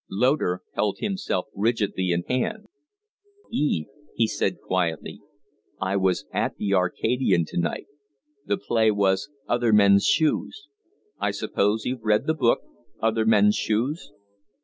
Loder held himself rigidly in hand. "Eve," he said, quietly, "I was at the `Arcadian' to night. The play was 'Other Men's Shoes.' I suppose you've read the book 'Other Men's Shoes'?"